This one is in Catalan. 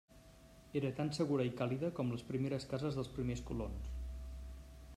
Era tan segura i càlida com les primeres cases dels primers colons.